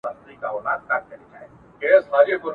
ایوب خان خېمې درولي وې.